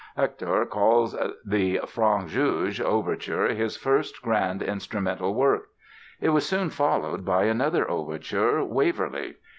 Hector calls the "Francs Juges" overture his "first grand instrumental work". It was soon followed by another overture, "Waverly".